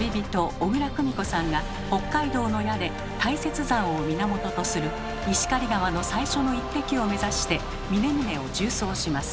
小椋久美子さんが北海道の屋根大雪山を源とする石狩川の最初の一滴を目指して峰々を縦走します。